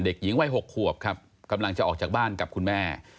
เด็กหญิงวัย๖ขวบครับกำลังจะออกจากบ้านกับคุณแม่